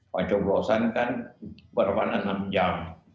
pencoblosan kan berwarna enam jam